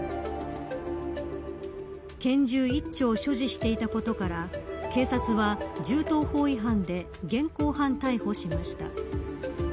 拳銃１丁を所持していたことから警察は銃刀法違反で現行犯逮捕しました。